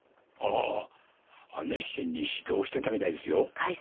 ああ熱心に指導してたみたいですよ。